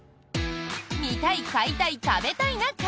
「見たい買いたい食べたいな会」。